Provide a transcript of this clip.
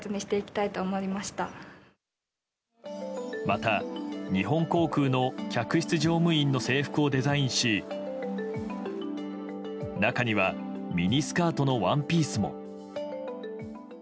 また、日本航空の客室乗務員の制服をデザインし中にはミニスカートのワンピースも。